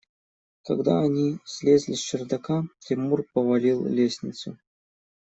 Когда они слезли с чердака, Тимур повалил лестницу.